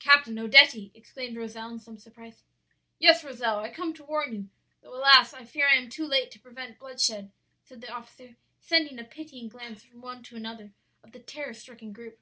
"'Captain Odetti!' exclaimed Rozel in some surprise. "'Yes, Rozel, I come to warn you, though, alas! I fear I am too late to prevent bloodshed,' said the officer, sending a pitying glance from one to another of the terror stricken group.